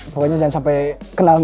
pokoknya jangan sampai kenal